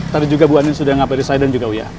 tadi juga bu andin sudah ngapain sama saya dan juga wya